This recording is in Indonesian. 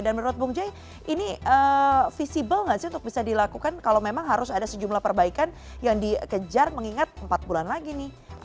dan menurut bung joy ini visible nggak sih untuk bisa dilakukan kalau memang harus ada sejumlah perbaikan yang dikejar mengingat empat bulan lagi nih